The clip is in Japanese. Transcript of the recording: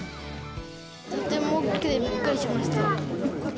とても大きくてびっくりしました。